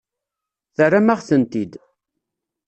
Terram-aɣ-tent-id.